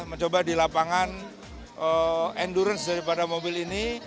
mencoba di lapangan endurance daripada mobil ini